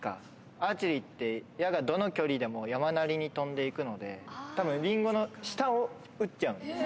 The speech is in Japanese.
アーチェリーって、矢がどの距離でも山なりに飛んでいくので、たぶんリンゴの下を撃っちゃうんですよ。